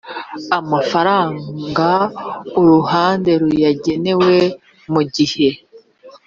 amafaranga uruhande ruyagenewe mu gihe